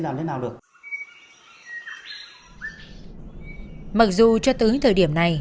mặc dù cho tới thời điểm này